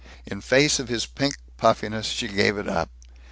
In face of his pink puffiness she gave it up.